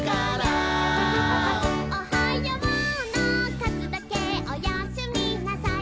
「おはようのかずだけおやすみなさい」